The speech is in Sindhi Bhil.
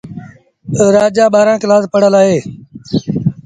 رآجآ ٻآهرآݩ ڪلآس پڙهل اهي۔